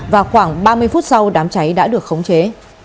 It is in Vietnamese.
và khoảng ba mươi phút sau đám cháy đã được khống chế